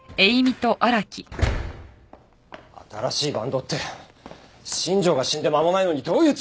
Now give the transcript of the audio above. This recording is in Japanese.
新しいバンドって新庄が死んで間もないのにどういうつもりだ！